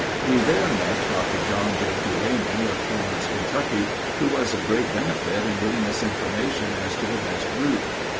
We there met Dr. John J. Dulaney of Florence, Kentucky, who was of great benefit in giving us information as to the best route.